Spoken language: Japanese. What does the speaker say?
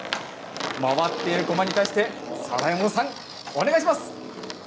回っているこまに対して貞右衛門さん、お願いします。